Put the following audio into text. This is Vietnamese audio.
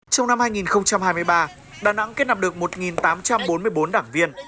trong năm hai nghìn hai mươi ba đà nẵng kết nạp được một tám trăm bốn mươi bốn đảng viên